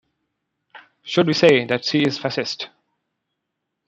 Should we say that she is Fascist?